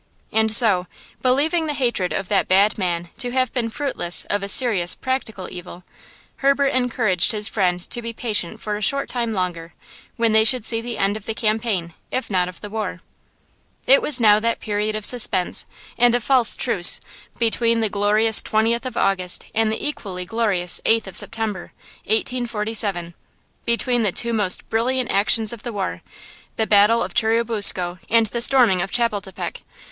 And so, believing the hatred of that bad man to have been fruitless of serious, practical evil, Herbert encouraged his friend to be patient for a short time longer, when they should see the end of the campaign, if not of the war. It was now that period of suspense and of false truce between the glorious 20th of August and the equally glorious 8th of September, 1847–between the two most brilliant actions of the war, the battle of Churubusco and the storming of Chapultepec.